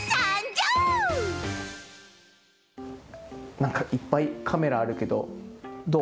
なんかいっぱいカメラあるけどどう？